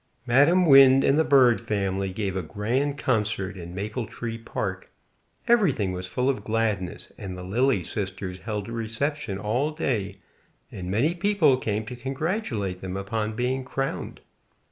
Madam Wind and the Bird family gave a grand concert in Maple Tree Park. Everything was full of gladness, and the lily sisters held a reception all day, and many people came to congratulate them upon being crowned.